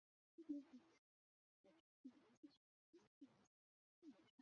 白羽扇豆为豆科羽扇豆属下的一个种。